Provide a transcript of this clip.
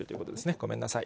ごめんなさい。